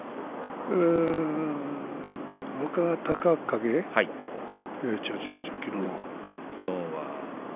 若隆景、きのうは。